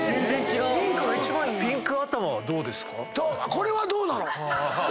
これはどうなの？